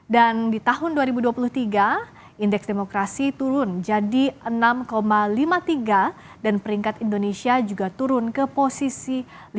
dan di tahun dua ribu dua puluh tiga indeks demokrasi turun jadi enam lima puluh tiga dan peringkat indonesia juga turun ke posisi lima puluh enam